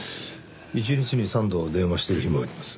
１日に３度電話してる日もあります。